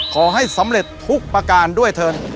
ขอให้สำเร็จทุกประการด้วยเถิน